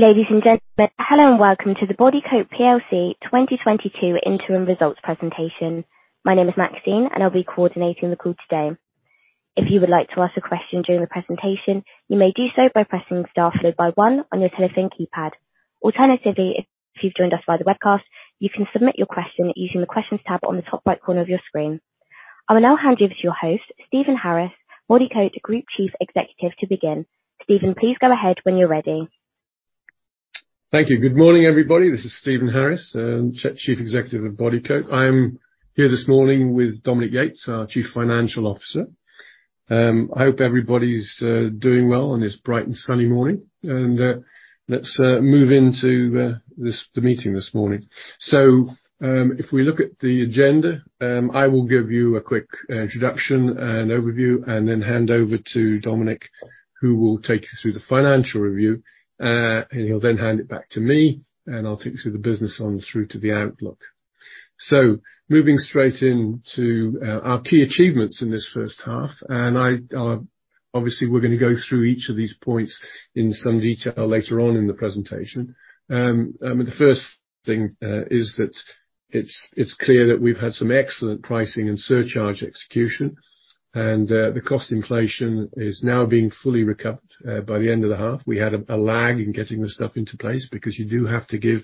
Ladies and gentlemen, hello and welcome to the Bodycote plc 2022 interim results presentation. My name is Maxine, and I'll be coordinating the call today. If you would like to ask a question during the presentation, you may do so by pressing star followed by one on your telephone keypad. Alternatively, if you've joined us via the webcast, you can submit your question using the questions tab on the top right corner of your screen. I will now hand you to your host, Stephen Harris, Bodycote Group Chief Executive, to begin. Stephen, please go ahead when you're ready. Thank you. Good morning, everybody. This is Stephen Harris, Chief Executive of Bodycote. I'm here this morning with Dominique Yates, our Chief Financial Officer. I hope everybody's doing well on this bright and sunny morning, and let's move into the meeting this morning. If we look at the agenda, I will give you a quick introduction and overview and then hand over to Dominique, who will take you through the financial review, and he'll then hand it back to me, and I'll take you through the business and through to the outlook. Moving straight into our key achievements in this first half, and obviously we're gonna go through each of these points in some detail later on in the presentation. The first thing is that it's clear that we've had some excellent pricing and surcharge execution, and the cost inflation is now being fully recouped by the end of the half. We had a lag in getting this stuff into place because you do have to give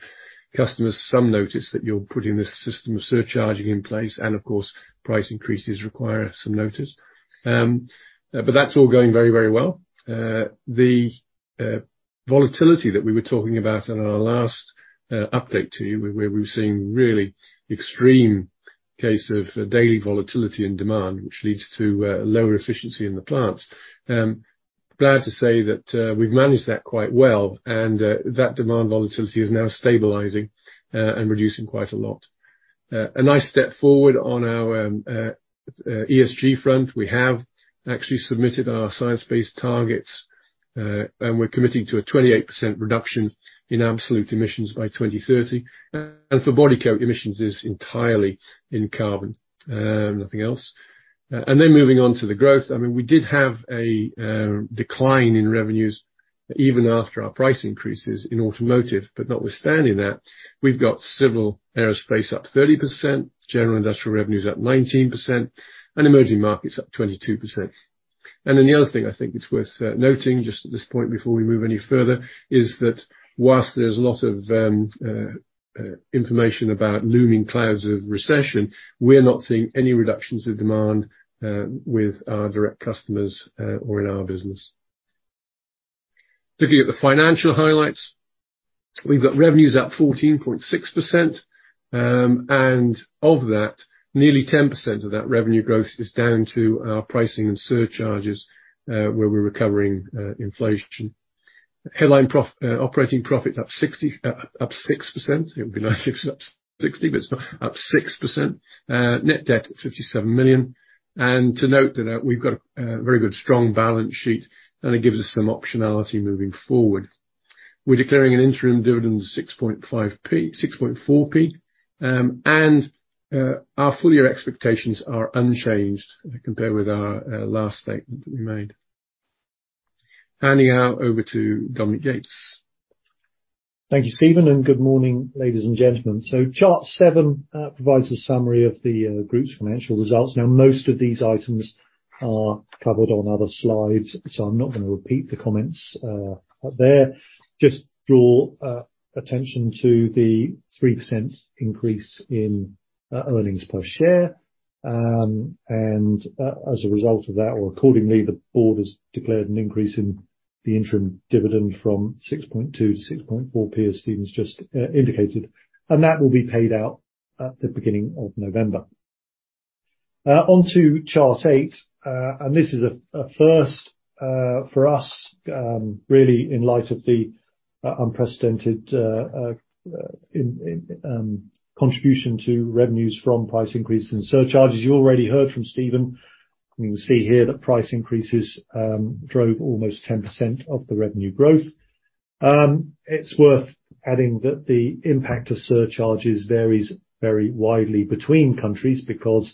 customers some notice that you're putting this system of surcharging in place, and of course, price increases require some notice. That's all going very, very well. The volatility that we were talking about in our last update to you, where we were seeing really extreme case of daily volatility and demand, which leads to lower efficiency in the plants. Glad to say that we've managed that quite well, and that demand volatility is now stabilizing and reducing quite a lot. A nice step forward on our ESG front. We have actually submitted our science-based targets, and we're committing to a 28% reduction in absolute emissions by 2030. For Bodycote emissions is entirely in carbon, nothing else. Moving on to the growth. I mean, we did have a decline in revenues even after our price increases in automotive. Notwithstanding that, we've got civil aerospace up 30%, general industrial revenues up 19%, and emerging markets up 22%. The other thing I think it's worth noting just at this point before we move any further is that while there's a lot of information about looming clouds of recession, we're not seeing any reductions of demand with our direct customers or in our business. Looking at the financial highlights, we've got revenues up 14.6%, and of that, nearly 10% of that revenue growth is down to our pricing and surcharges, where we're recovering inflation. Headline operating profit up 6%. It would be nice if it was up 60, but it's not. Up 6%. Net debt 57 million. To note that, we've got a very good, strong balance sheet, and it gives us some optionality moving forward. We're declaring an interim dividend of 6.4. Our full year expectations are unchanged compared with our last statement that we made. Handing now over to Dominique Yates. Thank you, Stephen, and good morning, ladies and gentlemen. Chart seven provides a summary of the group's financial results. Now, most of these items are covered on other slides, so I'm not gonna repeat the comments there. Just draw attention to the 3% increase in earnings per share. As a result of that or accordingly, the board has declared an increase in the interim dividend from 6.2 to 6.4, as Stephen's just indicated, and that will be paid out at the beginning of November. Onto chart eight. This is a first for us, really in light of the unprecedented contribution to revenues from price increases and surcharges. You already heard from Stephen, and you can see here that price increases drove almost 10% of the revenue growth. It's worth adding that the impact of surcharges varies very widely between countries because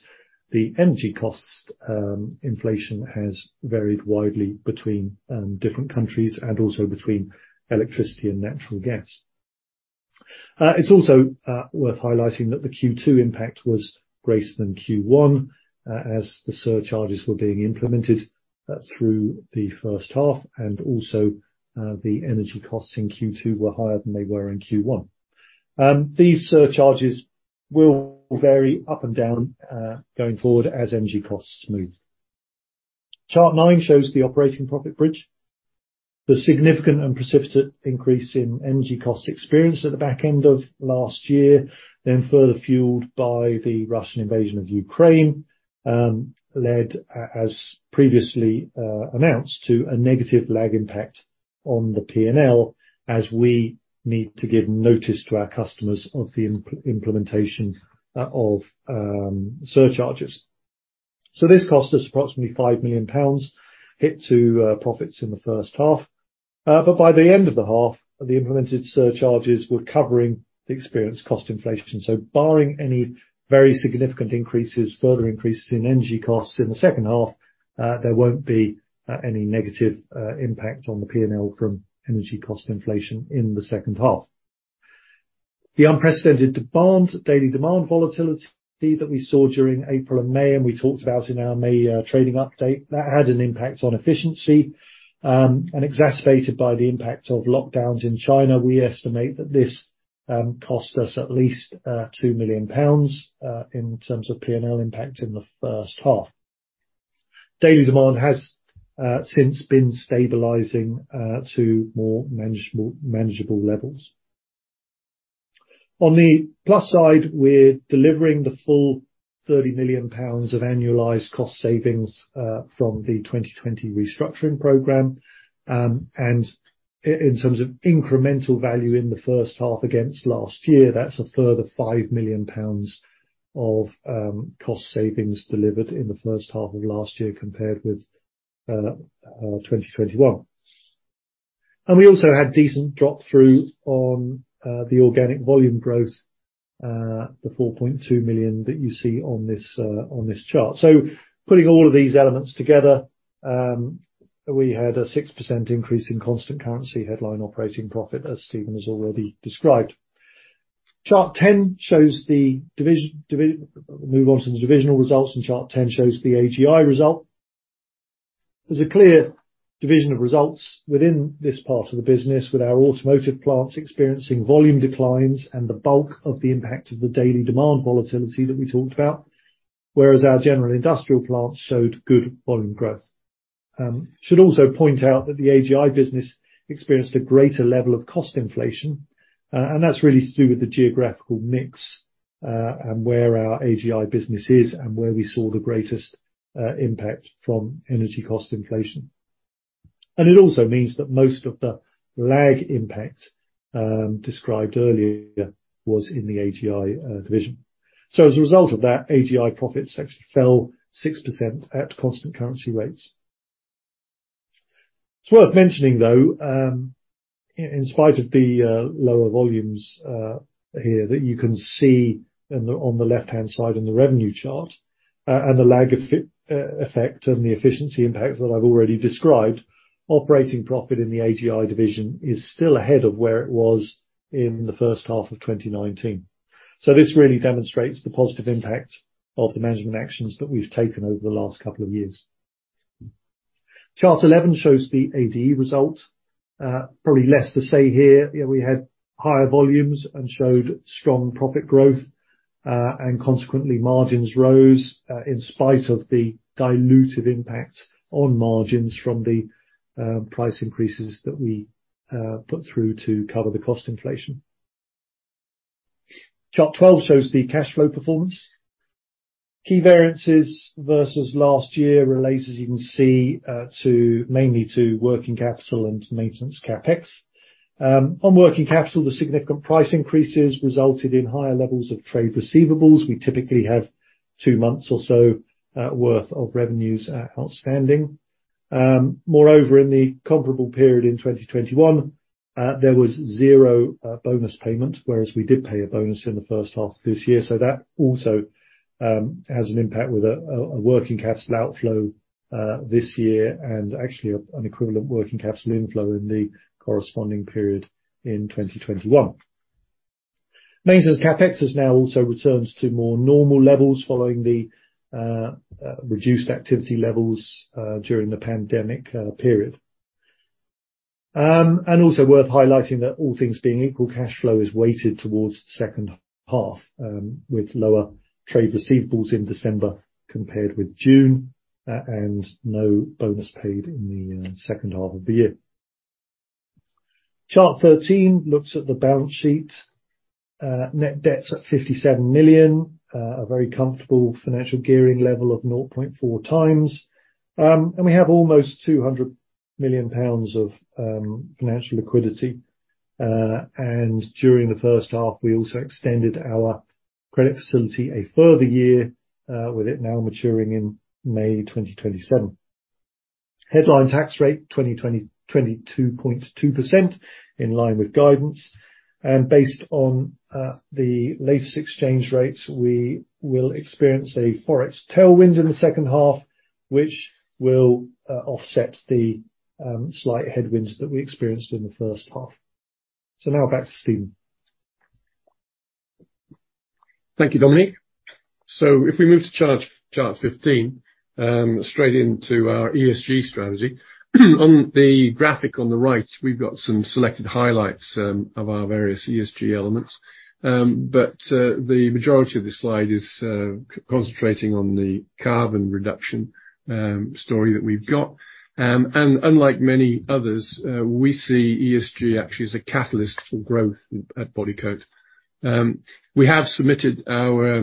the energy cost inflation has varied widely between different countries and also between electricity and natural gas. It's also worth highlighting that the Q2 impact was greater than Q1 as the surcharges were being implemented through the first half, and also the energy costs in Q2 were higher than they were in Q1. These surcharges will vary up and down going forward as energy costs move. Chart nine shows the operating profit bridge. The significant and precipitate increase in energy cost experienced at the back end of last year, then further fueled by the Russian invasion of Ukraine, led as previously announced to a negative lag impact on the P&L as we need to give notice to our customers of the implementation of surcharges. This cost us approximately 5 million pounds hit to profits in the first half. By the end of the half, the implemented surcharges were covering the experienced cost inflation. Barring any very significant increases, further increases in energy costs in the second half, there won't be any negative impact on the P&L from energy cost inflation in the second half. The unprecedented demand, daily demand volatility that we saw during April and May, and we talked about in our May trading update, that had an impact on efficiency, and exacerbated by the impact of lockdowns in China. We estimate that this cost us at least 2 million pounds in terms of P&L impact in the first half. Daily demand has since been stabilizing to more manageable levels. On the plus side, we're delivering the full 30 million pounds of annualized cost savings from the 2020 restructuring program. In terms of incremental value in the first half against last year, that's a further 5 million pounds of cost savings delivered in the first half of last year compared with 2021. We also had decent drop through on the organic volume growth, the 4.2 million that you see on this chart. Putting all of these elements together, we had a 6% increase in constant currency headline operating profit, as Stephen has already described. Chart 10 shows the division. Move on to the divisional results, and chart 10 shows the AGI result. There's a clear division of results within this part of the business, with our automotive plants experiencing volume declines and the bulk of the impact of the daily demand volatility that we talked about, whereas our general industrial plants showed good volume growth. Should also point out that the AGI business experienced a greater level of cost inflation, and that's really to do with the geographical mix, and where our AGI business is and where we saw the greatest impact from energy cost inflation. It also means that most of the lag impact described earlier was in the AGI division. As a result of that, AGI profits actually fell 6% at constant currency rates. It's worth mentioning, though, in spite of the lower volumes here that you can see on the left-hand side in the revenue chart, and the lag effect and the efficiency impacts that I've already described, operating profit in the AGI division is still ahead of where it was in the first half of 2019. This really demonstrates the positive impact of the management actions that we've taken over the last couple of years. Chart 11 shows the ADE result. Probably less to say here. You know, we had higher volumes and showed strong profit growth, and consequently, margins rose in spite of the dilutive impact on margins from the price increases that we put through to cover the cost inflation. Chart 12 shows the cash flow performance. Key variances versus last year relates, as you can see, mainly to working capital and maintenance CapEx. On working capital, the significant price increases resulted in higher levels of trade receivables. We typically have two months or so worth of revenues outstanding. Moreover, in the comparable period in 2021, there was zero bonus payment, whereas we did pay a bonus in the first half of this year. That also has an impact with a working capital outflow this year and actually an equivalent working capital inflow in the corresponding period in 2021. Maintenance CapEx has now also returned to more normal levels following the reduced activity levels during the pandemic period. Also worth highlighting that all things being equal, cash flow is weighted toward the second half, with lower trade receivables in December compared with June, and no bonus paid in the second half of the year. Chart 13 looks at the balance sheet. Net debt's at 57 million, a very comfortable financial gearing level of 0.4x. We have almost 200 million pounds of financial liquidity. During the first half, we also extended our credit facility a further year, with it now maturing in May 2027. Headline tax rate, 22.2% in line with guidance. Based on the latest exchange rates, we will experience a forex tailwind in the second half, which will offset the slight headwinds that we experienced in the first half. Now back to Stephen. Thank you, Dominique. If we move to chart 15 straight into our ESG strategy. On the graphic on the right, we've got some selected highlights of our various ESG elements. The majority of this slide is concentrating on the carbon reduction story that we've got. Unlike many others, we see ESG actually as a catalyst for growth at Bodycote. We have submitted our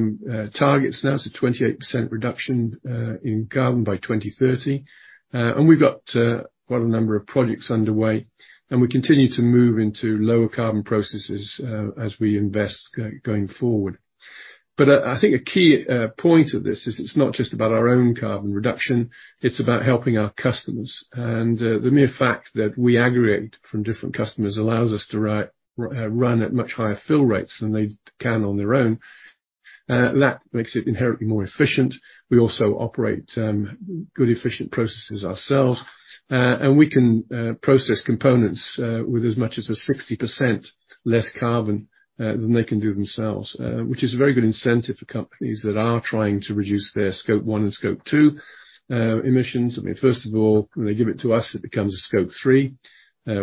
targets now to 28% reduction in carbon by 2030. We've got quite a number of projects underway, and we continue to move into lower carbon processes as we invest going forward. I think a key point of this is it's not just about our own carbon reduction, it's about helping our customers. The mere fact that we aggregate from different customers allows us to run at much higher fill rates than they can on their own. That makes it inherently more efficient. We also operate good efficient processes ourselves. We can process components with as much as 60% less carbon than they can do themselves. Which is a very good incentive for companies that are trying to reduce their Scope 1 and Scope 2 emissions. I mean, first of all, when they give it to us, it becomes a Scope 3,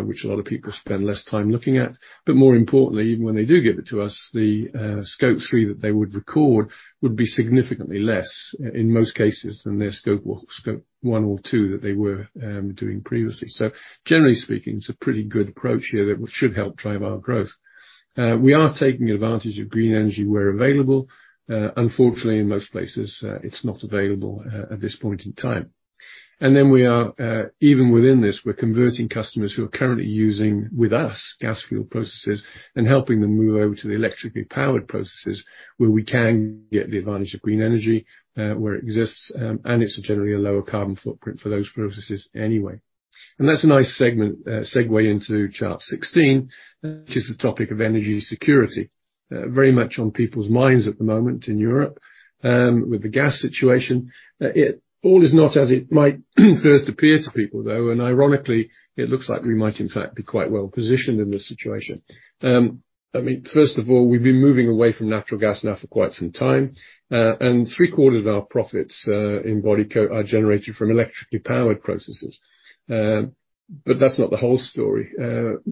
which a lot of people spend less time looking at. More importantly, even when they do give it to us, the Scope 3 that they would record would be significantly less in most cases than their Scope 1 or 2 that they were doing previously. Generally speaking, it's a pretty good approach here that should help drive our growth. We are taking advantage of green energy where available. Unfortunately, in most places, it's not available at this point in time. Then we are even within this, we're converting customers who are currently using with us gas-fired processes and helping them move over to the electrically powered processes where we can get the advantage of green energy, where it exists, and it's generally a lower carbon footprint for those processes anyway. That's a nice segment, segue into chart 16, which is the topic of energy security. Very much on people's minds at the moment in Europe, with the gas situation. All is not as it might first appear to people, though, and ironically, it looks like we might in fact be quite well-positioned in this situation. I mean, first of all, we've been moving away from natural gas now for quite some time, and 3/4 of our profits in Bodycote are generated from electrically powered processes. But that's not the whole story.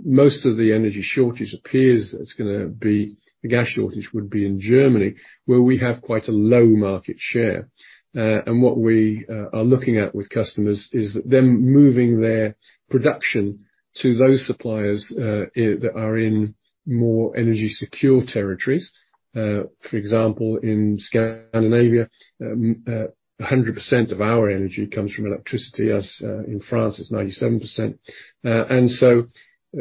Most of the energy shortage, the gas shortage, would be in Germany, where we have quite a low market share. What we are looking at with customers is that them moving their production to those suppliers that are in more energy secure territories, for example, in Scandinavia, 100% of our energy comes from electricity, as in France it's 97%.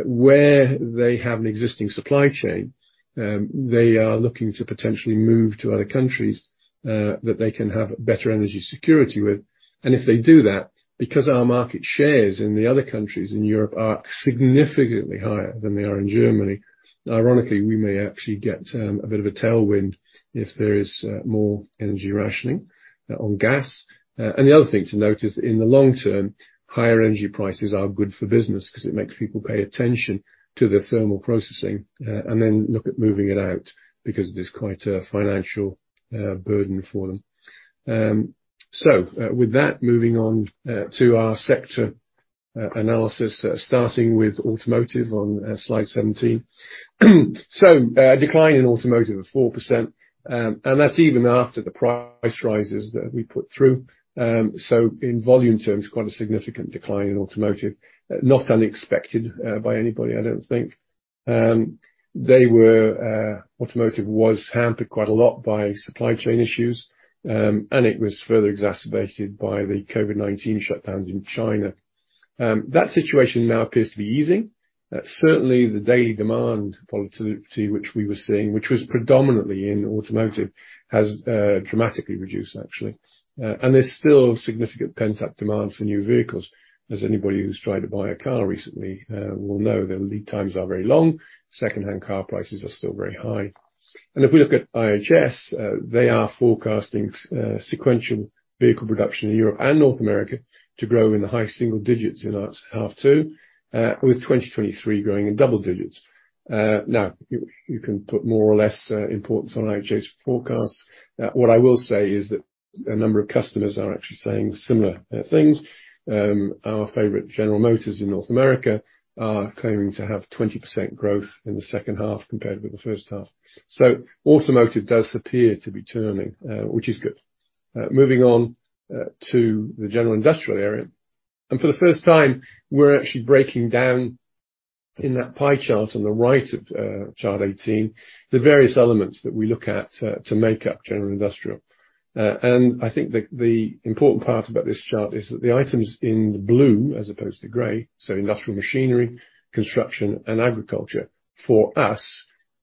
Where they have an existing supply chain, they are looking to potentially move to other countries that they can have better energy security with. If they do that, because our market shares in the other countries in Europe are significantly higher than they are in Germany, ironically, we may actually get a bit of a tailwind if there is more energy rationing on gas. The other thing to note is in the long-term, higher energy prices are good for business because it makes people pay attention to their thermal processing, and then look at moving it out because it is quite a financial burden for them. With that, moving on to our sector analysis, starting with automotive on slide 17. Decline in automotive of 4%, and that's even after the price rises that we put through. In volume terms, quite a significant decline in automotive. Not unexpected by anybody, I don't think. Automotive was hampered quite a lot by supply chain issues, and it was further exacerbated by the COVID-19 shutdowns in China. That situation now appears to be easing. Certainly the daily demand volatility which we were seeing, which was predominantly in automotive, has dramatically reduced actually. There's still significant pent-up demand for new vehicles. As anybody who's tried to buy a car recently will know, the lead times are very long. Secondhand car prices are still very high. If we look at IHS, they are forecasting sequential vehicle production in Europe and North America to grow in the high single digits in that half too, with 2023 growing in double digits. You can put more or less importance on IHS forecasts. What I will say is that a number of customers are actually saying similar things. Our favorite, General Motors in North America, are claiming to have 20% growth in the second half compared with the first half. Automotive does appear to be turning, which is good. Moving on to the general industrial area. For the first time, we're actually breaking down in that pie chart on the right of chart 18, the various elements that we look at to make up general industrial. I think the important part about this chart is that the items in the blue as opposed to gray, so industrial machinery, construction and agriculture, for us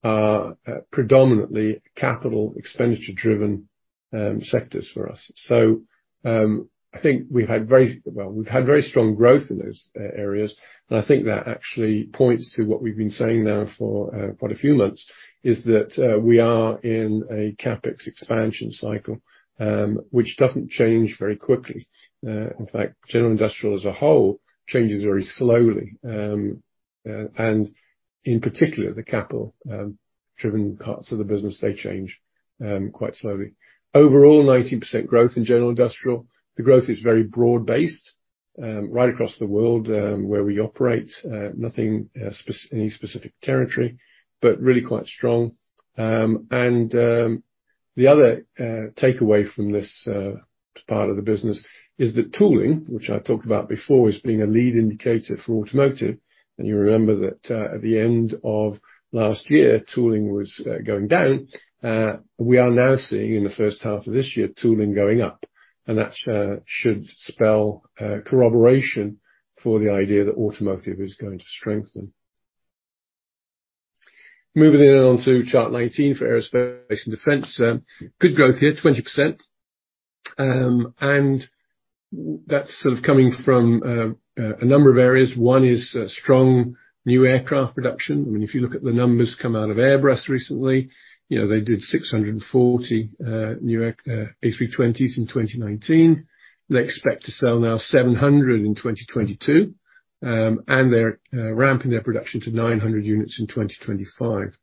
are predominantly capital expenditure-driven sectors for us. I think we've had very strong growth in those areas. I think that actually points to what we've been saying now for quite a few months, is that we are in a CapEx expansion cycle, which doesn't change very quickly. In fact, general industrial as a whole changes very slowly. In particular, the CapEx-driven parts of the business, they change quite slowly. Overall, 19% growth in general industrial. The growth is very broad-based, right across the world, where we operate. Nothing, any specific territory, but really quite strong. The other takeaway from this part of the business is that tooling, which I talked about before as being a lead indicator for automotive, and you remember that, at the end of last year, tooling was going down. We are now seeing in the first half of this year, tooling going up, and that should spell corroboration for the idea that automotive is going to strengthen. Moving on to chart 19 for aerospace and defense. Good growth here, 20%. That's sort of coming from a number of areas. One is strong new aircraft production. I mean, if you look at the numbers come out of Airbus recently, you know, they did 640 new A320s in 2019. They expect to sell now 700 in 2022, and they're ramping their production to 900 units in 2025.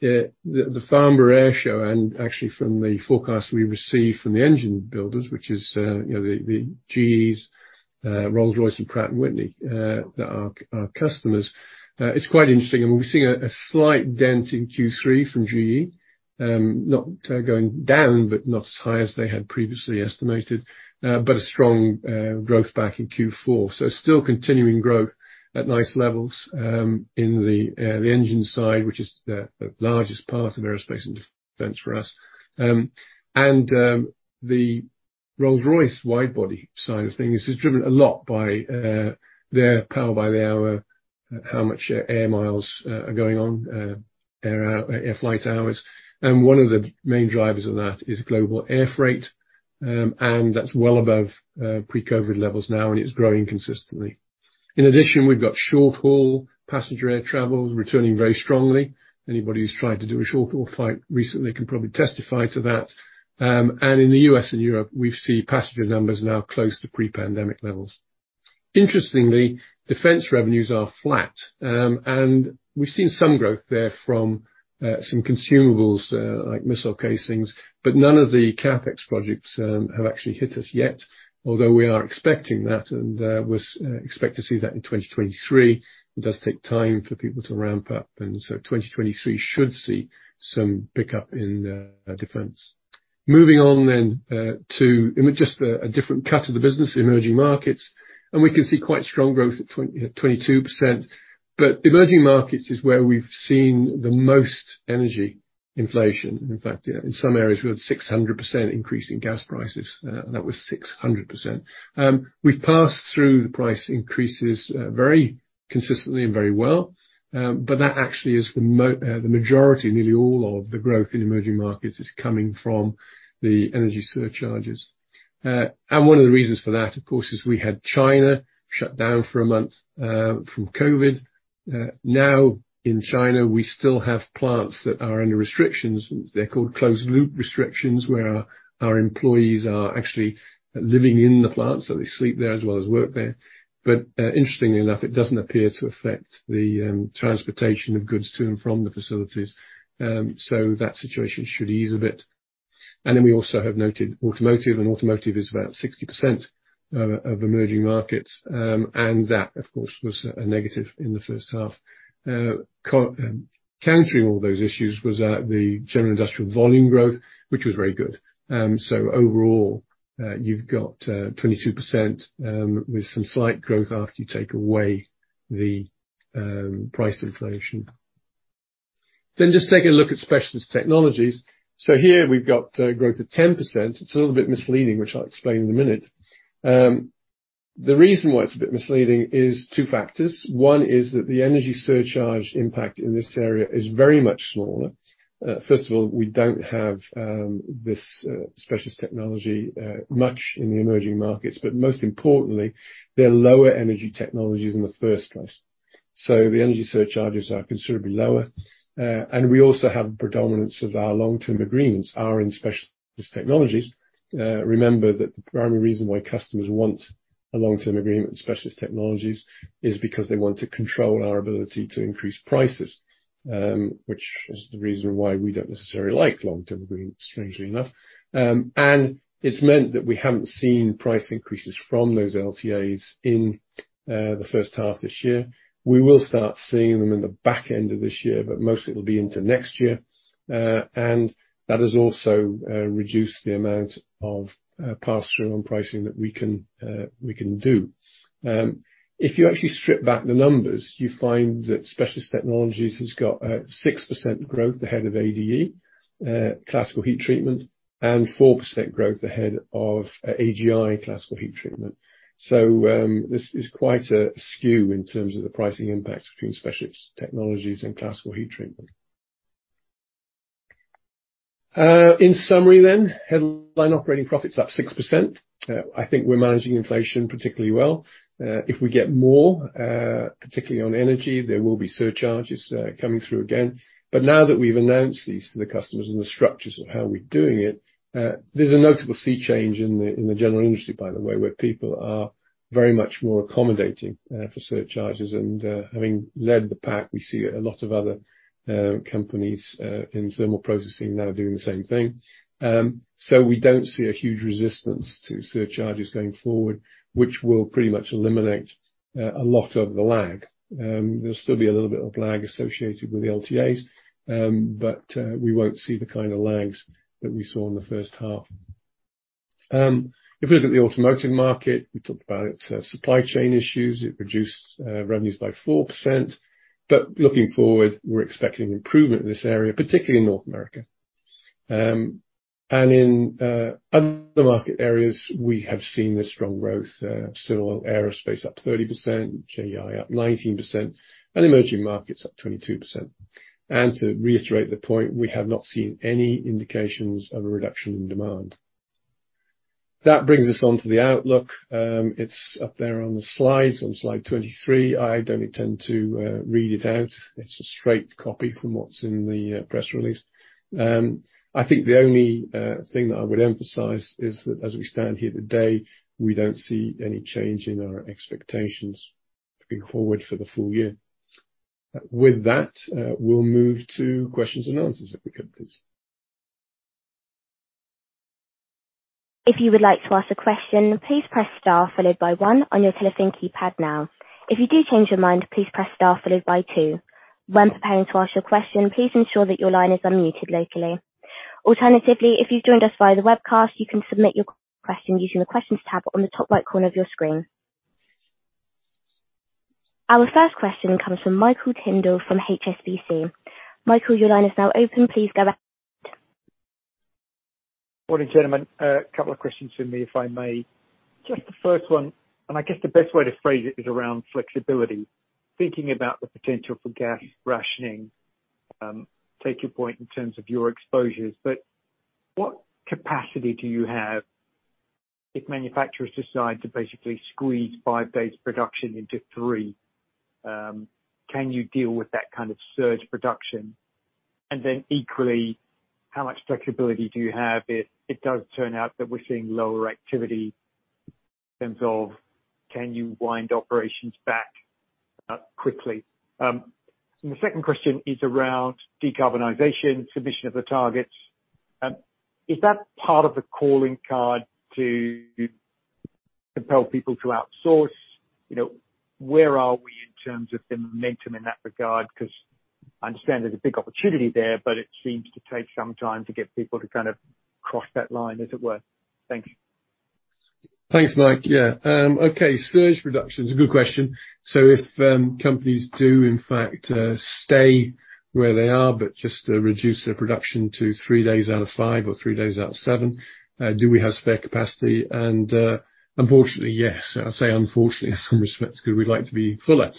The Farnborough Airshow and actually from the forecast we received from the engine builders, which is the GEs, Rolls-Royce and Pratt & Whitney, that are our customers, it's quite interesting. We're seeing a slight dent in Q3 from GE, not going down, but not as high as they had previously estimated, but a strong growth back in Q4. Still continuing growth at nice levels in the engine side, which is the largest part of aerospace and defense for us. The Rolls-Royce wide-body side of things is driven a lot by their Power-by-the-Hour, how much air miles are going on, air flight hours. One of the main drivers of that is global air freight, and that's well above pre-COVID levels now, and it's growing consistently. In addition, we've got short-haul passenger air travel returning very strongly. Anybody who's tried to do a short-haul flight recently can probably testify to that. In the U.S. and Europe, we see passenger numbers now close to pre-pandemic levels. Interestingly, defense revenues are flat, and we've seen some growth there from some consumables, like missile casings, but none of the CapEx projects have actually hit us yet, although we are expecting that, and we expect to see that in 2023. It does take time for people to ramp up, and so 2023 should see some pickup in defense. Moving on to just a different cut of the business, emerging markets, and we can see quite strong growth at 22%. Emerging markets is where we've seen the most energy inflation. In fact, in some areas, we had 600% increase in gas prices. That was 600%. We've passed through the price increases very consistently and very well, but that actually is the majority, nearly all of the growth in emerging markets is coming from the energy surcharges. One of the reasons for that, of course, is we had China shut down for a month from COVID. Now in China, we still have plants that are under restrictions. They're called closed loop restrictions, where our employees are actually living in the plant, so they sleep there as well as work there. Interestingly enough, it doesn't appear to affect the transportation of goods to and from the facilities, so that situation should ease a bit. We also have noted automotive, and automotive is about 60% of emerging markets, and that, of course, was a negative in the first half. Countering all those issues was the general industrial volume growth, which was very good. Overall, you've got 22%, with some slight growth after you take away the price inflation. Just take a look at Specialist Technologies. Here we've got growth of 10%. It's a little bit misleading, which I'll explain in a minute. The reason why it's a bit misleading is two factors. One is that the energy surcharge impact in this area is very much smaller. First of all, we don't have this specialist technology much in the emerging markets. Most importantly, they're lower energy technologies in the first place. The energy surcharges are considerably lower. We also have predominance of our long-term agreements are in Specialist Technologies. Remember that the primary reason why customers want a long-term agreement in Specialist Technologies is because they want to control our ability to increase prices, which is the reason why we don't necessarily like long-term agreements, strangely enough. It's meant that we haven't seen price increases from those LTAs in the first half this year. We will start seeing them in the back end of this year, but mostly it'll be into next year. That has also reduced the amount of pass-through on pricing that we can do. If you actually strip back the numbers, you find that Specialist Technologies has got 6% growth ahead of ADE Classical Heat Treatment, and 4% growth ahead of AGI Classical Heat Treatment. This is quite a skew in terms of the pricing impact between Specialist Technologies and Classical Heat Treatment. In summary, headline operating profits up 6%. I think we're managing inflation particularly well. If we get more, particularly on energy, there will be surcharges coming through again. Now that we've announced these to the customers and the structures of how we're doing it, there's a notable sea change in the general industry, by the way, where people are very much more accommodating for surcharges. Having led the pack, we see a lot of other companies in thermal processing now doing the same thing. We don't see a huge resistance to surcharges going forward, which will pretty much eliminate a lot of the lag. There'll still be a little bit of lag associated with the LTAs, but we won't see the kind of lags that we saw in the first half. If we look at the automotive market, we talked about its supply chain issues. It reduced revenues by 4%. Looking forward, we're expecting improvement in this area, particularly in North America. In other market areas, we have seen this strong growth. Civil aerospace up 30%, GI up 19%, and emerging markets up 22%. To reiterate the point, we have not seen any indications of a reduction in demand. That brings us on to the outlook. It's up there on the slides, on slide 23. I don't intend to read it out. It's a straight copy from what's in the press release. I think the only thing that I would emphasize is that, as we stand here today, we don't see any change in our expectations looking forward for the full year. With that, we'll move to questions and answers if we could, please. If you would like to ask a question, please press star followed by one on your telephone keypad now. If you do change your mind, please press star followed by two. When preparing to ask your question, please ensure that your line is unmuted locally. Alternatively, if you've joined us via the webcast, you can submit your question using the questions tab on the top right corner of your screen. Our first question comes from Michael Tyndall from HSBC. Michael, your line is now open. Please go ahead. Morning, gentlemen. A couple of questions from me, if I may. Just the first one, and I guess the best way to phrase it is around flexibility. Thinking about the potential for gas rationing, take your point in terms of your exposures, but what capacity do you have if manufacturers decide to basically squeeze five days production into three? Can you deal with that kind of surge production? Equally, how much flexibility do you have it does turn out that we're seeing lower activity in terms of can you wind operations back quickly? The second question is around decarbonization, submission of the targets. Is that part of the calling card to compel people to outsource? You know, where are we in terms of the momentum in that regard? Because I understand there's a big opportunity there, but it seems to take some time to get people to kind of cross that line, as it were. Thanks. Thanks, Mike. Yeah. Surge production is a good question. If companies do in fact stay where they are, but just reduce their production to three days out of five or three days out of seven, do we have spare capacity? Unfortunately, yes. I say unfortunately, in some respects because we'd like to be fuller.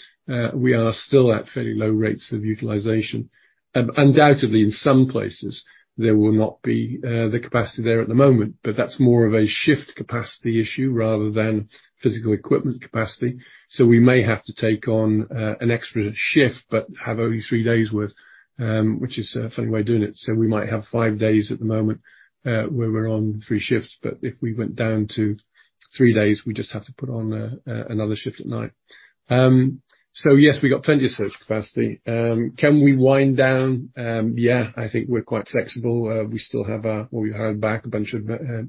We are still at fairly low rates of utilization. Undoubtedly, in some places, there will not be the capacity there at the moment, but that's more of a shift capacity issue rather than physical equipment capacity. We may have to take on an extra shift but have only three days worth, which is a funny way of doing it. We might have five days at the moment, where we're on three shifts, but if we went down to three days, we just have to put on another shift at night. Yes, we got plenty of surge capacity. Can we wind down? Yeah, I think we're quite flexible. We still have our. We hired back a bunch of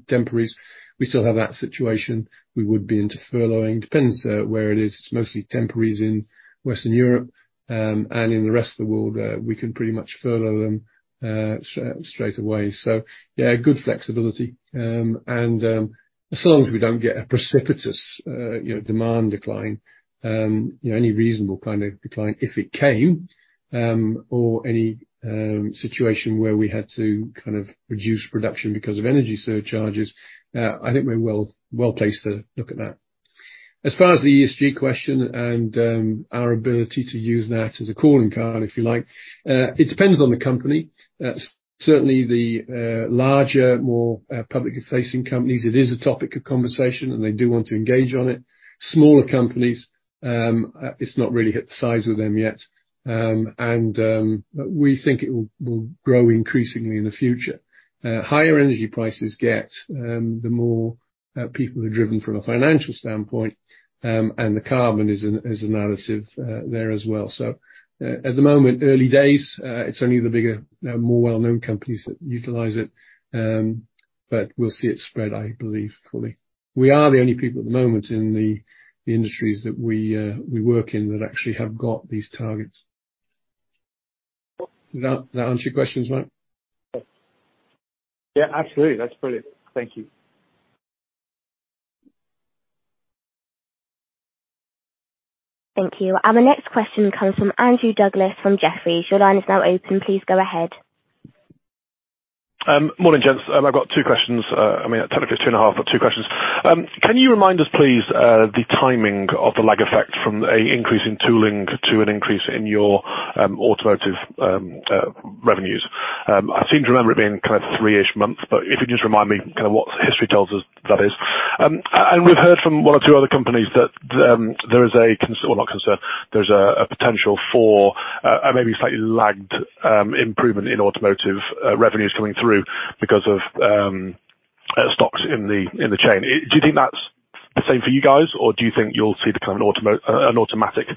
temporaries. We still have that situation. We would be into furloughing. Depends where it is. It's mostly temporaries in Western Europe. In the rest of the world, we can pretty much furlough them straight away. Yeah, good flexibility. As long as we don't get a precipitous, you know, demand decline, you know, any reasonable kind of decline if it came, or any situation where we had to kind of reduce production because of energy surcharges, I think we're well-placed to look at that. As far as the ESG question and our ability to use that as a calling card, if you like, it depends on the company. Certainly the larger, more publicly facing companies, it is a topic of conversation, and they do want to engage on it. Smaller companies, it's not really hit the size with them yet, but we think it will grow increasingly in the future. Higher energy prices, the more people are driven from a financial standpoint, and the carbon is a narrative there as well. At the moment, early days, it's only the bigger, more well-known companies that utilize it, but we'll see it spread, I believe, fully. We are the only people at the moment in the industries that we work in that actually have got these targets. That answer your questions, Mike? Yeah, absolutely. That's brilliant. Thank you. Thank you. The next question comes from Andrew Douglas from Jefferies. Your line is now open. Please go ahead. Morning, gents. I've got two questions. I mean, technically two and a half, but two questions. Can you remind us, please, the timing of the lag effect from an increase in tooling to an increase in your automotive revenues? I seem to remember it being kind of three-ish months, but if you just remind me kind of what history tells us that is. We've heard from one or two other companies that there's a potential for a maybe slightly lagged improvement in automotive revenues coming through because of stocks in the chain. Do you think that's the same for you guys, or do you think you'll see the kind of an automatic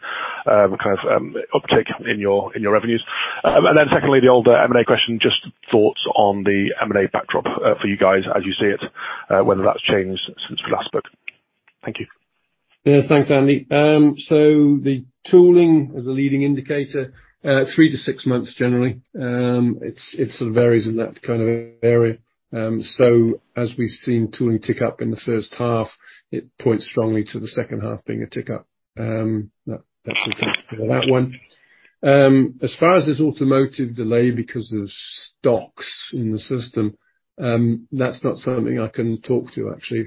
kind of uptick in your revenues? Secondly, the other M&A question, just thoughts on the M&A backdrop for you guys as you see it, whether that's changed since last book. Thank you. Yes, thanks, Andy. The tooling as a leading indicator, three to six months generally. It sort of varies in that kind of area. As we've seen tooling tick up in the first half, it points strongly to the second half being a tick up. That actually takes care of that one. As far as this automotive delay because of stocks in the system, that's not something I can talk to, actually.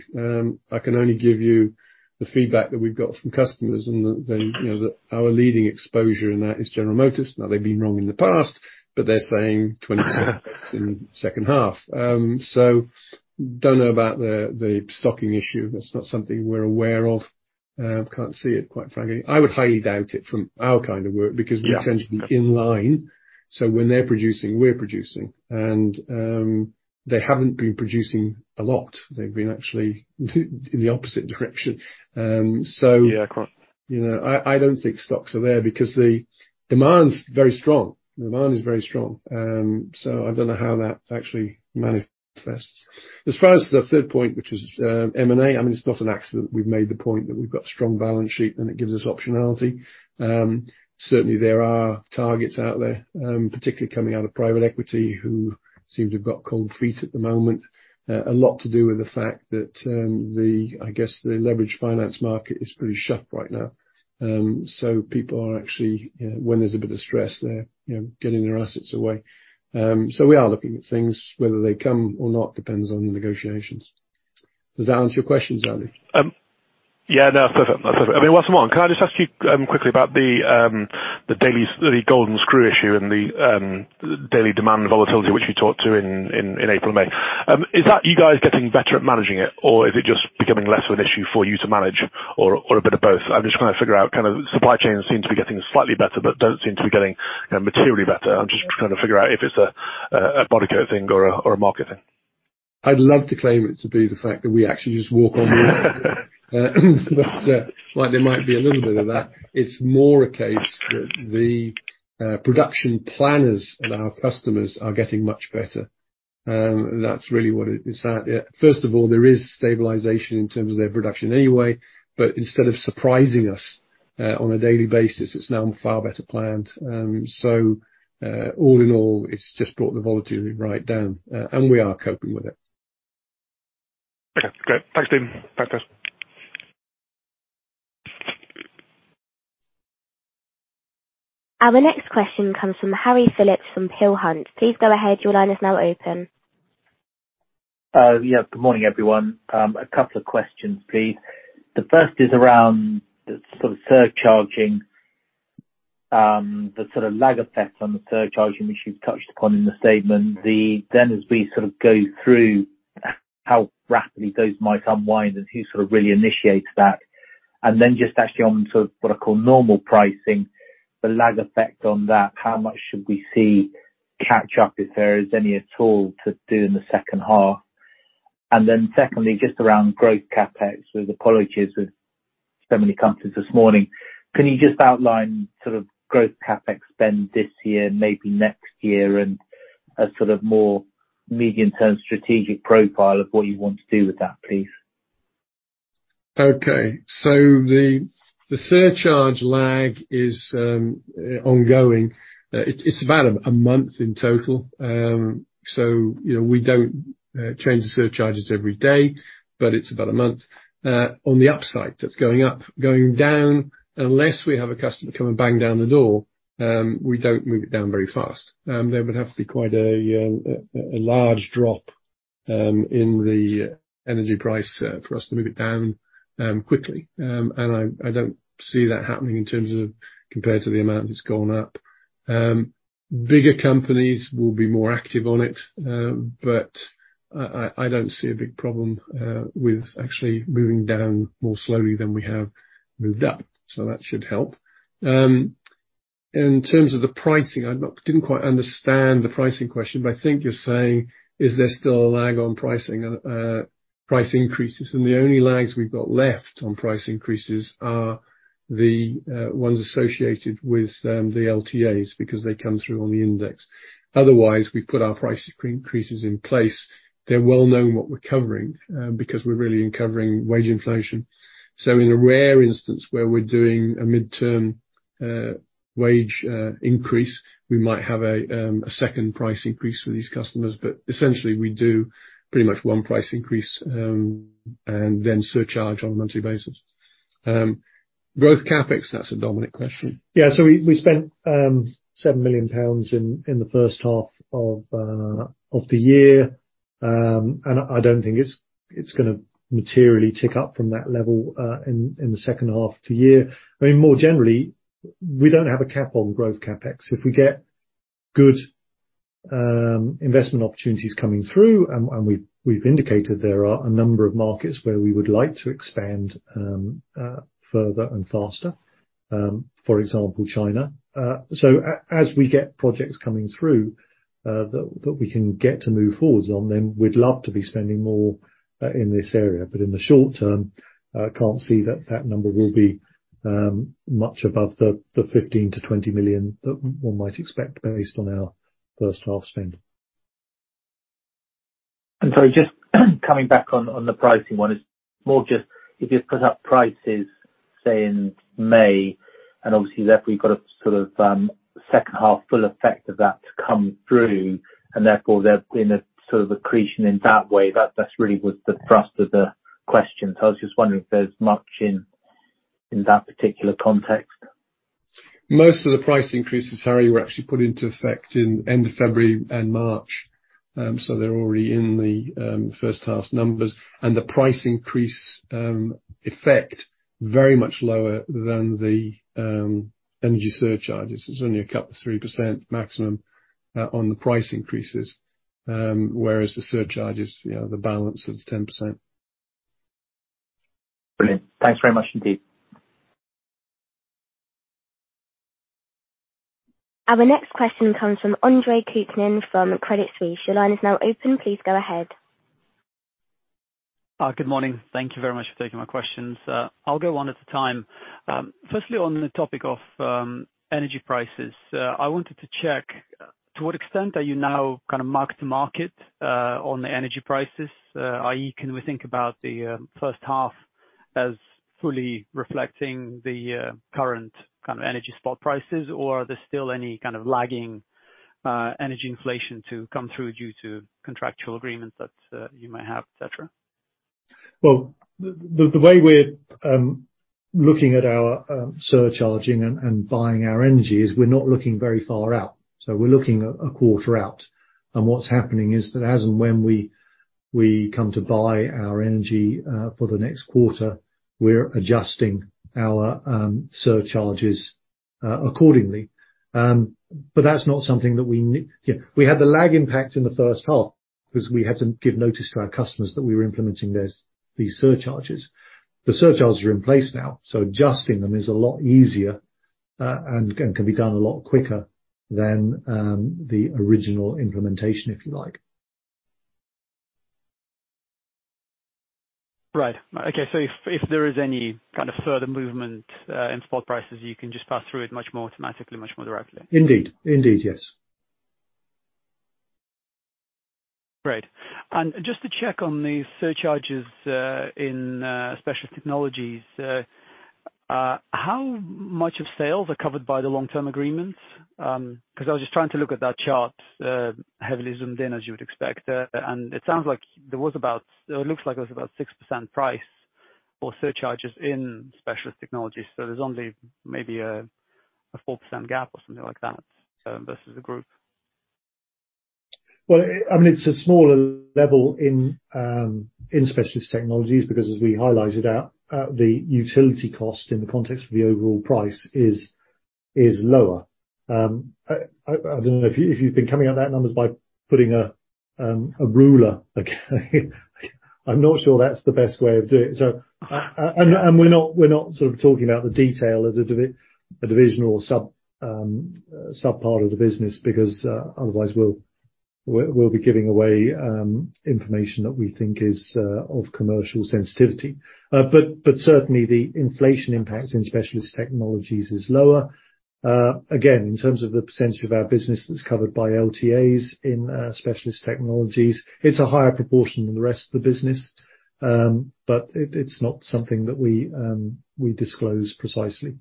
I can only give you the feedback that we've got from customers and then, you know, that our leading exposure in that is General Motors. Now, they've been wrong in the past, but they're saying 20% in second half. Don't know about the stocking issue. That's not something we're aware of. Can't see it, quite frankly. I would highly doubt it from our kind of work. We tend to be in line, so when they're producing, we're producing. They haven't been producing a lot. They've been actually in the opposite direction. You know, I don't think stocks are there because the demand's very strong. Demand is very strong. I don't know how that actually manifests. As far as the third point, which is M&A, I mean, it's not an accident, we've made the point that we've got strong balance sheet and it gives us optionality. Certainly there are targets out there, particularly coming out of private equity, who seem to have got cold feet at the moment. A lot to do with the fact that I guess, the leverage finance market is pretty shut right now. People are actually when there's a bit of stress there, you know, getting their assets away. We are looking at things. Whether they come or not depends on the negotiations. Does that answer your question, Andy? Yeah, no. Perfect. That's perfect. I mean, while I'm on, can I just ask you quickly about the golden screw issue and the daily demand volatility which we talked about in April and May. Is that you guys getting better at managing it or is it just becoming less of an issue for you to manage or a bit of both? I'm just trying to figure out kind of supply chains seem to be getting slightly better, but don't seem to be getting, you know, materially better. I'm just trying to figure out if it's a Bodycote thing or a market thing. I'd love to claim it to be the fact that we actually just walk on water. While there might be a little bit of that, it's more a case that the production planners and our customers are getting much better. That's really what it is. First of all, there is stabilization in terms of their production anyway, but instead of surprising us on a daily basis, it's now far better planned. All in all, it's just brought the volatility right down. We are coping with it. Okay. Great. Thanks, team. Thanks. Our next question comes from Harry Phillips from Peel Hunt. Please go ahead, your line is now open. Yeah, good morning, everyone. A couple of questions, please. The first is around the sort of surcharging, the sort of lag effect on the surcharging, which you've touched upon in the statement. As we sort of go through how rapidly those might unwind and who sort of really initiates that. Just actually on sort of what I call normal pricing, the lag effect on that, how much should we see catch up if there is any at all to do in the second half? Secondly, just around growth CapEx. With apologies, with so many companies this morning, can you just outline sort of growth CapEx spend this year and maybe next year, and a sort of more medium-term strategic profile of what you want to do with that, please? Okay. The surcharge lag is ongoing. It's about a month in total. You know, we don't change the surcharges every day, but it's about a month on the upside that's going up. Going down, unless we have a customer come and bang down the door, we don't move it down very fast. There would have to be quite a large drop in the energy price for us to move it down quickly. I don't see that happening in terms of compared to the amount it's gone up. Bigger companies will be more active on it. I don't see a big problem with actually moving down more slowly than we have moved up, so that should help. In terms of the pricing, I didn't quite understand the pricing question, but I think you're saying is there still a lag on pricing, price increases, and the only lags we've got left on price increases are the ones associated with the LTAs, because they come through on the index. Otherwise, we put our price increases in place. They're well-known what we're covering, because we're really covering wage inflation. In a rare instance where we're doing a midterm wage increase, we might have a second price increase with these customers. Essentially we do pretty much one price increase, and then surcharge on a monthly basis. Growth CapEx, that's a Dominique question. Yeah. We spent 7 million pounds in the first half of the year. I don't think it's gonna materially tick up from that level in the second half of the year. I mean, more generally, we don't have a cap on growth CapEx. If we get good investment opportunities coming through and we've indicated there are a number of markets where we would like to expand further and faster, for example, China. As we get projects coming through that we can get to move forwards on, then we'd love to be spending more in this area. In the short-term, I can't see that number will be much above the 15 million-20 million that one might expect based on our first half spend. Sorry, just coming back on the pricing one. It's more just if you've put up prices, say in May, and obviously therefore you've got a sort of second half full effect of that to come through, and therefore there in a sort of accretion in that way, that really was the thrust of the question. I was just wondering if there's much in that particular context. Most of the price increases, Harry, were actually put into effect at the end of February and March, so they're already in the first half's numbers. The price increase effect is very much lower than the energy surcharges. It's only a couple, 3% maximum on the price increases. Whereas the surcharge is, you know, the balance of the 10%. Brilliant. Thanks very much indeed. Our next question comes from Andre Kukhnin from Credit Suisse. Your line is now open. Please go ahead. Good morning. Thank you very much for taking my questions. I'll go one at a time. Firstly, on the topic of energy prices, I wanted to check to what extent are you now kinda mark-to-market on the energy prices? i.e., can we think about the first half as fully reflecting the current kind of energy spot prices? Or are there still any kind of lagging energy inflation to come through due to contractual agreements that you might have, et cetera? Well, the way we're looking at our surcharging and buying our energy is we're not looking very far out. We're looking a quarter out. What's happening is that as and when we come to buy our energy for the next quarter, we're adjusting our surcharges accordingly. You know, we had the lag impact in the first half 'cause we had to give notice to our customers that we were implementing these surcharges. The surcharges are in place now, so adjusting them is a lot easier and can be done a lot quicker than the original implementation, if you like. Right. Okay. If there is any kind of further movement in spot prices, you can just pass through it much more automatically, much more directly? Indeed. Indeed, yes. Great. Just to check on the surcharges in Specialist Technologies, how much of sales are covered by the long-term agreements? 'Cause I was just trying to look at that chart, heavily zoomed in, as you would expect. It looks like there was about 6% price or surcharges in Specialist Technologies, so there's only maybe a 4% gap or something like that versus the group. I mean, it's a smaller level in Specialist Technologies because as we highlighted, the utility cost in the context of the overall price is lower. I don't know if you've been coming at those numbers by putting a ruler against. I'm not sure that's the best way of doing it. We're not sort of talking about the detail of the divisional sub-part of the business because otherwise we'll be giving away information that we think is of commercial sensitivity. Certainly the inflation impact in Specialist Technologies is lower. Again, in terms of the percentage of our business that's covered by LTAs in Specialist Technologies, it's a higher proportion than the rest of the business. It's not something that we disclose precisely.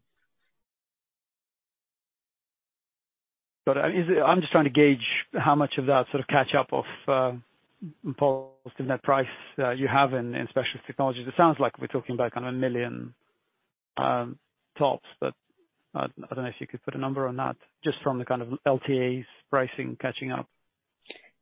Got it. I'm just trying to gauge how much of that sort of catch-up of positive net price you have in Specialist Technologies. It sounds like we're talking about kind of 1 million tops, but I don't know if you could put a number on that just from the kind of LTAs pricing catching up.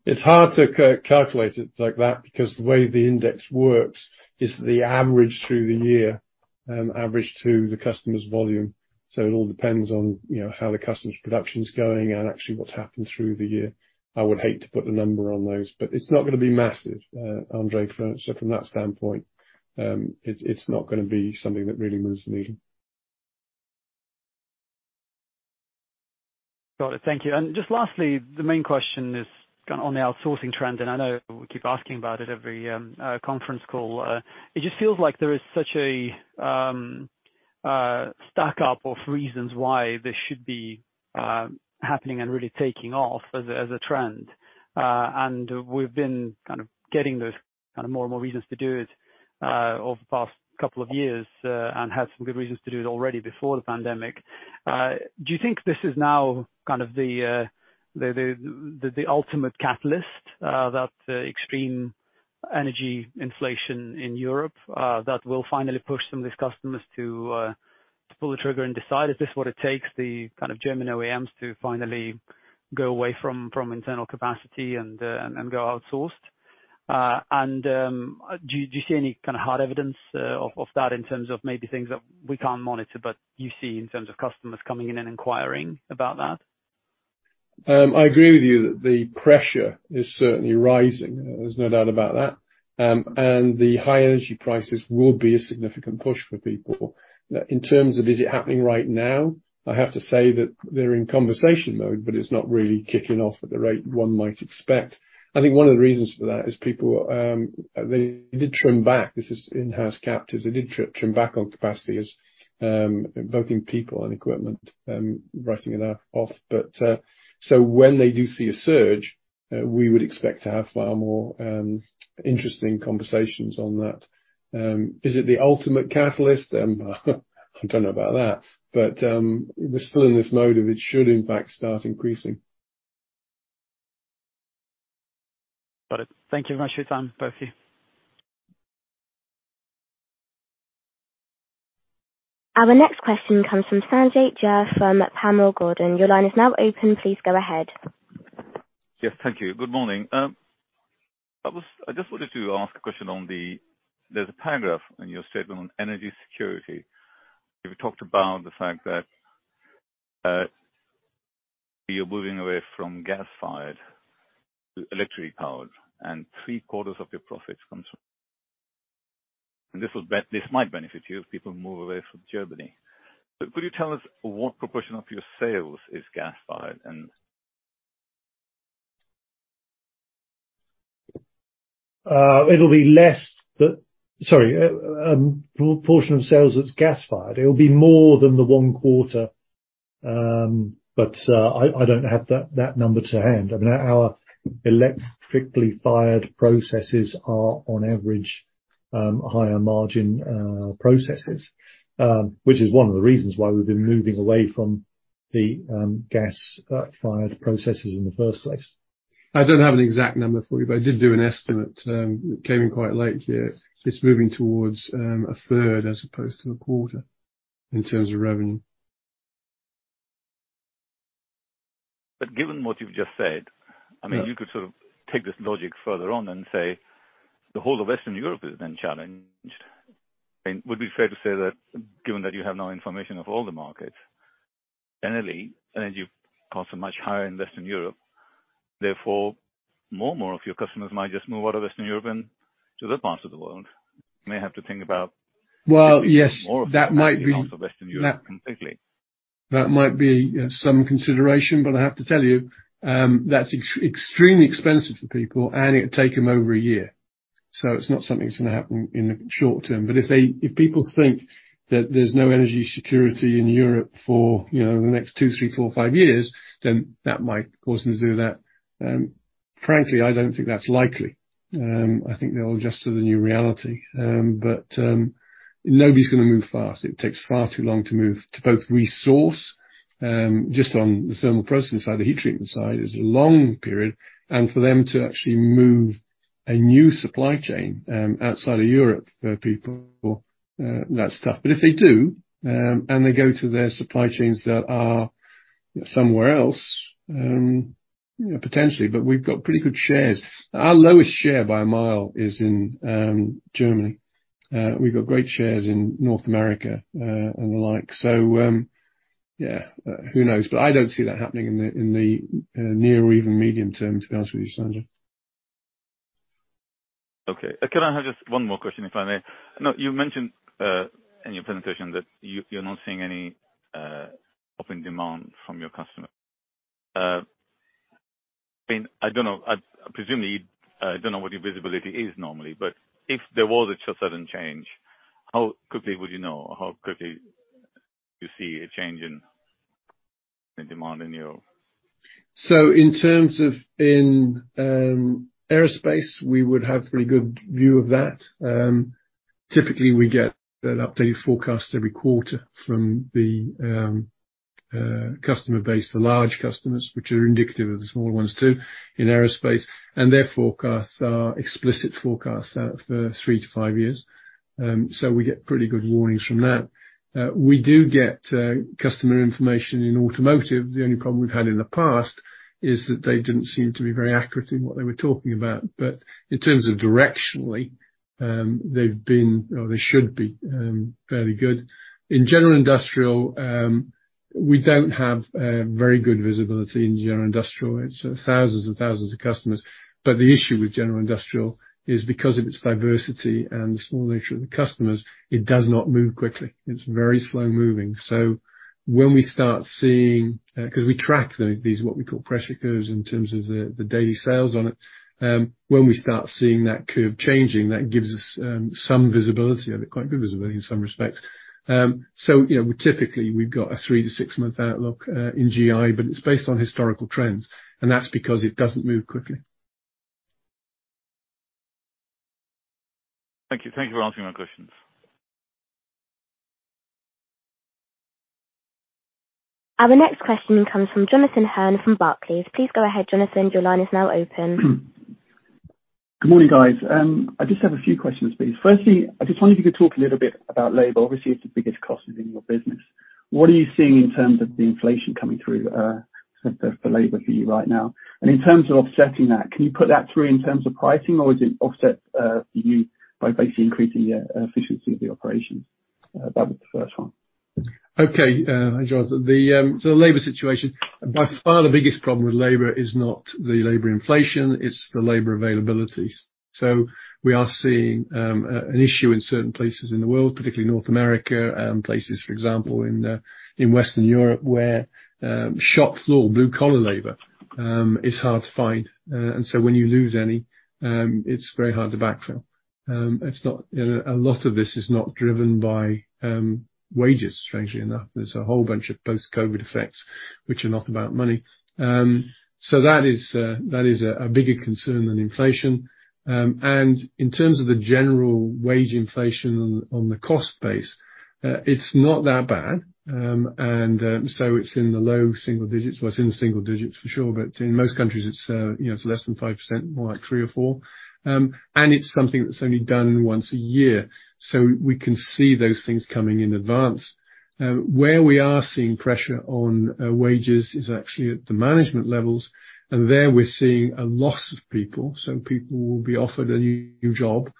It's hard to calculate it like that because the way the index works is the average through the year and average to the customer's volume. It all depends on, you know, how the customer's production's going and actually what's happened through the year. I would hate to put a number on those. It's not gonna be massive, Andre. From that standpoint, it's not gonna be something that really moves the needle. Got it. Thank you. Just lastly, the main question is kind of on the outsourcing trend, and I know we keep asking about it every conference call. It just feels like there is such a stack-up of reasons why this should be happening and really taking off as a trend. We've been kind of getting those kind of more and more reasons to do it over the past couple of years, and had some good reasons to do it already before the pandemic. Do you think this is now kind of the ultimate catalyst that the extreme energy inflation in Europe that will finally push some of these customers to pull the trigger and decide if this is what it takes the kind of German OEMs to finally go away from internal capacity and go outsourced? Do you see any kind of hard evidence of that in terms of maybe things that we can't monitor but you see in terms of customers coming in and inquiring about that? I agree with you that the pressure is certainly rising. There's no doubt about that. The high energy prices will be a significant push for people. Now, in terms of is it happening right now, I have to say that they're in conversation mode, but it's not really kicking off at the rate one might expect. I think one of the reasons for that is people, they did trim back. This is in-house captives. They did trim back on capacity as, both in people and equipment, writing it off. When they do see a surge, we would expect to have far more interesting conversations on that. Is it the ultimate catalyst? I don't know about that. We're still in this mode of it should in fact start increasing. Got it. Thank you very much for your time, both of you. Our next question comes from Sanjay Jha from Panmure Gordon. Your line is now open. Please go ahead. Yes, thank you. Good morning. I just wanted to ask a question. There's a paragraph in your statement on energy security, where you talked about the fact that you're moving away from gas-fired to electric powered, and 3/4 of your profits comes from. This might benefit you if people move away from Germany. Could you tell us what proportion of your sales is gas-fired and- Proportion of sales that's gas-fired. It'll be more than the 1/4, but I don't have that number to hand. I mean, our electrically fired processes are on average higher margin processes, which is one of the reasons why we've been moving away from the gas-fired processes in the first place. I don't have an exact number for you, but I did do an estimate. It came in quite late here. It's moving towards a 1/3 as opposed to a 1/4 in terms of revenue. Given what you've just said. I mean, you could sort of take this logic further on and say the whole of Western Europe is then challenged. I mean, would it be fair to say that given that you have now information of all the markets, generally, energy costs are much higher in Western Europe, therefore, more and more of your customers might just move out of Western Europe and to other parts of the world. You may have to think about moving more of that out of Western Europe completely. That might be some consideration, but I have to tell you, that's extremely expensive for people, and it would take them over a year. It's not something that's gonna happen in the short-term. If people think that there's no energy security in Europe for, you know, the next two, three, four, five years, then that might cause them to do that. Frankly, I don't think that's likely. I think they'll adjust to the new reality. But nobody's gonna move fast. It takes far too long to move, to both resource, just on the thermal process side, the heat treatment side, is a long period, and for them to actually move a new supply chain, outside of Europe for people, that stuff. If they do, and they go to their supply chains that are somewhere else, potentially. We've got pretty good shares. Our lowest share by a mile is in Germany. We've got great shares in North America, and the like. Yeah, who knows? I don't see that happening in the near or even medium-term, to be honest with you, Sanjay. Okay. Can I have just one more question, if I may? Now, you mentioned in your presentation that you're not seeing any open demand from your customer. I mean, I don't know. I don't know what your visibility is normally, but if there was a sudden change, how quickly would you know or how quickly you see a change in demand in your? In terms of aerospace, we would have pretty good view of that. Typically, we get an updated forecast every quarter from the customer base for large customers, which are indicative of the smaller ones too in aerospace, and their forecasts are explicit forecasts out for three to five years. We get pretty good warnings from that. We do get customer information in automotive. The only problem we've had in the past is that they didn't seem to be very accurate in what they were talking about. In terms of directionally, they've been or they should be fairly good. In general industrial, we don't have a very good visibility in general industrial. It's thousands and thousands of customers. The issue with general industrial is because of its diversity and the small nature of the customers, it does not move quickly. It's very slow-moving. When we start seeing, because we track these what we call pressure curves in terms of the daily sales on it. When we start seeing that curve changing, that gives us some visibility, and quite good visibility in some respects. You know, we typically we've got a three to six-month outlook in GI, but it's based on historical trends, and that's because it doesn't move quickly. Thank you. Thank you for answering my questions. The next question comes from Jonathan Hurn from Barclays. Please go ahead, Jonathan. Your line is now open. Good morning, guys. I just have a few questions, please. Firstly, I just wondered if you could talk a little bit about labor. Obviously, it's the biggest cost within your business. What are you seeing in terms of the inflation coming through, for labor for you right now? In terms of offsetting that, can you put that through in terms of pricing, or is it offset, for you by basically increasing the efficiency of the operations? That was the first one. Okay. Hi, Jonathan. The labor situation. By far, the biggest problem with labor is not the labor inflation, it's the labor availabilities. We are seeing an issue in certain places in the world, particularly North America and places, for example, in Western Europe, where shop floor, blue-collar labor is hard to find. When you lose any, it's very hard to backfill. It's not, and a lot of this is not driven by wages, strangely enough. There's a whole bunch of post-COVID effects which are not about money. That is a bigger concern than inflation. In terms of the general wage inflation on the cost base, it's not that bad. It's in the low single digits. Well, it's in the single digits for sure, but in most countries, it's, you know, it's less than 5%, more like 3% or 4%. It's something that's only done once a year. We can see those things coming in advance. Where we are seeing pressure on wages is actually at the management levels. There, we're seeing a loss of people. People will be offered a new job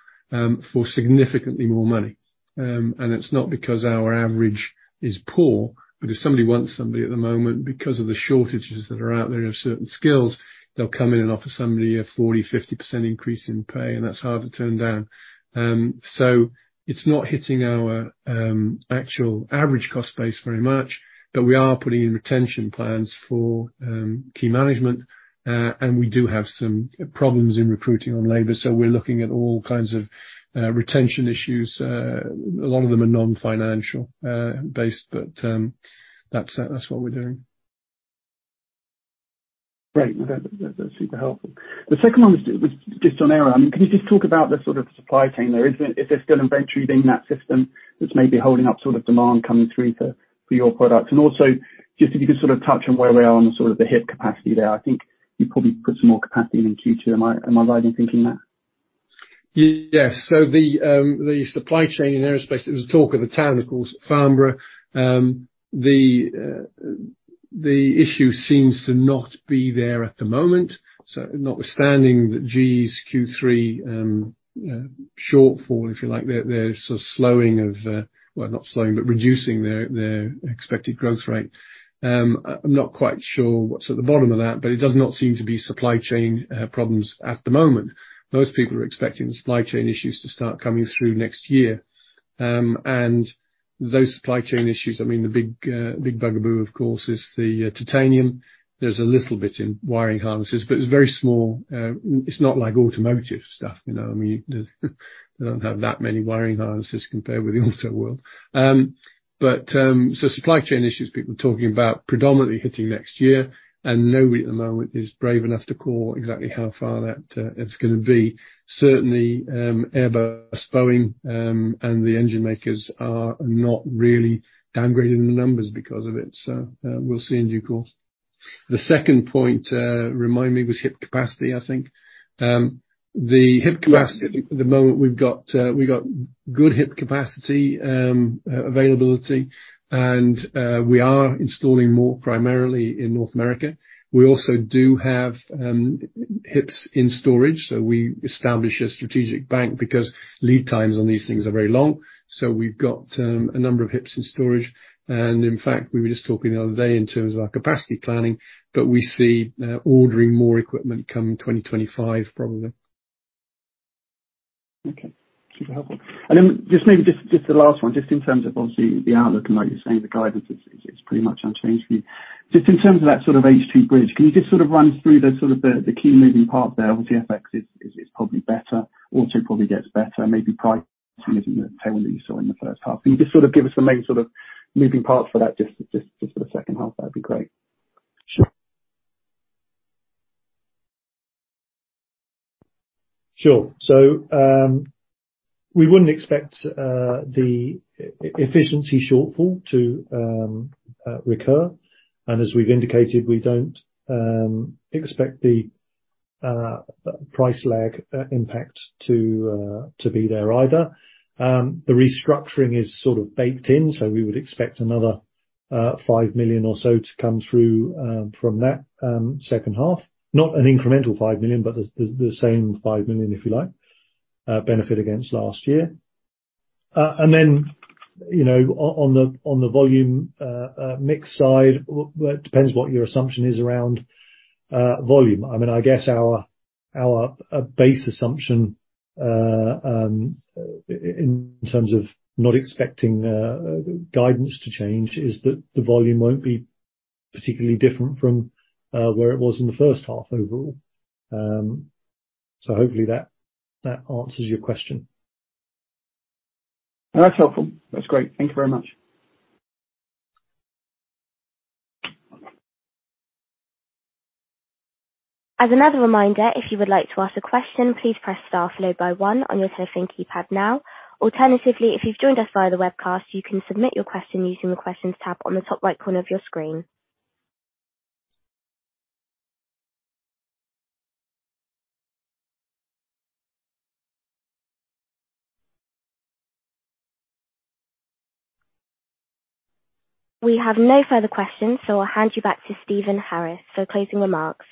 for significantly more money. It's not because our average is poor, but if somebody wants somebody at the moment, because of the shortages that are out there of certain skills, they'll come in and offer somebody a 40%, 50% increase in pay, and that's hard to turn down. It's not hitting our actual average cost base very much, but we are putting in retention plans for key management. We do have some problems in recruiting on labor, so we're looking at all kinds of retention issues. A lot of them are non-financial based, but that's what we're doing. Great. That's super helpful. The second one was just on aero. I mean, can you just talk about the sort of supply chain there. Is there still inventory being in that system that's maybe holding up sort of demand coming through for your product? And also, just if you could sort of touch on where we are on the sort of HIP capacity there. I think you probably put some more capacity in Q2. Am I right in thinking that? Yes. The supply chain in aerospace was the talk of the town, of course, Farnborough. The issue seems to not be there at the moment. Notwithstanding that GE's Q3 shortfall, if you like, their sort of reducing their expected growth rate. I'm not quite sure what's at the bottom of that, but it does not seem to be supply chain problems at the moment. Most people are expecting the supply chain issues to start coming through next year. Those supply chain issues, I mean, the big bugaboo of course is the titanium. There's a little bit in wiring harnesses, but it's very small. It's not like automotive stuff, you know what I mean? We don't have that many wiring harnesses compared with the auto world. Supply chain issues, people talking about predominantly hitting next year, and nobody at the moment is brave enough to call exactly how far that it's gonna be. Certainly, Airbus, Boeing, and the engine makers are not really downgrading the numbers because of it. We'll see in due course. The second point, remind me, was HIP capacity, I think. The HIP capacity at the moment we've got good HIP capacity, availability, and we are installing more primarily in North America. We also do have HIPs in storage, so we establish a strategic bank because lead times on these things are very long. We've got a number of HIPs in storage. In fact, we were just talking the other day in terms of our capacity planning that we see ordering more equipment come 2025, probably. Okay. Super helpful. Then just maybe the last one, just in terms of obviously the outlook and what you're saying, the guidance is pretty much unchanged for you. Just in terms of that sort of H2 bridge, can you just sort of run through the key moving parts there? Obviously, FX is probably better. Auto probably gets better. Maybe price isn't the tail that you saw in the first half. Can you just sort of give us the main sort of moving parts for that just for the second half? That'd be great. Sure. We wouldn't expect the efficiency shortfall to recur. As we've indicated, we don't expect the price lag impact to be there either. The restructuring is sort of baked in, so we would expect another 5 million or so to come through from that second half. Not an incremental 5 million, but the same 5 million, if you like, benefit against last year. You know, on the volume mix side, well, it depends what your assumption is around volume. I mean, I guess our base assumption, in terms of not expecting guidance to change, is that the volume won't be particularly different from where it was in the first half overall. Hopefully that answers your question. That's helpful. That's great. Thank you very much. As another reminder, if you would like to ask a question, please press star followed by one on your telephone keypad now. Alternatively, if you've joined us via the webcast, you can submit your question using the Questions tab on the top right corner of your screen. We have no further questions, so I'll hand you back to Stephen Harris for closing remarks.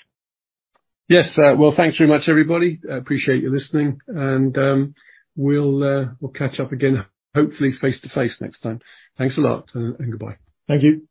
Yes. Well, thanks very much, everybody. I appreciate you listening and we'll catch up again, hopefully face-to-face next time. Thanks a lot and goodbye. Thank you.